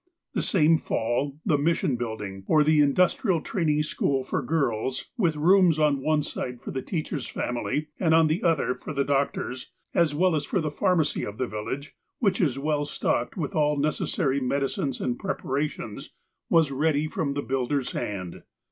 The same Fall the Mission Building (see illustration), or the Industrial Training School for girls, with rooms on one side for the teacher's family, and on the other for the doctor's, as well as for the pharmacy of the village, which is well stocked with all necessary medicines and preparations, was ready from the builder's hand.